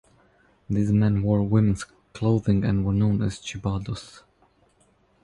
These men wore women's clothing and were known as "chibados".